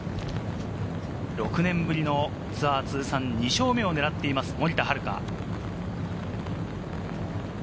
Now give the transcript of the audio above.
６年ぶりのツアー通算２勝目を狙っています、森田遥。